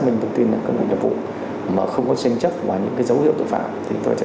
minh thông tin về cơ hội độc vụ mà không có tranh chấp và những dấu hiệu tội phạm thì chúng tôi sẽ